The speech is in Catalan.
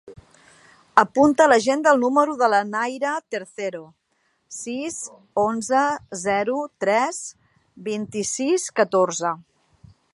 Apunta a l'agenda el número de la Nayra Tercero: sis, onze, zero, tres, vint-i-sis, catorze.